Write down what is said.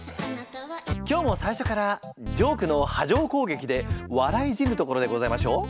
今日も最初からジョークの波状こうげきで笑い死ぬところでございましょう？